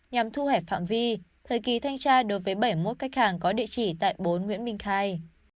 nhằm thu hẹp phạm vi thời kỳ thanh tra đối với bảy mươi một khách hàng có địa chỉ tại bốn nguyễn minh khai